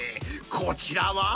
こちらは？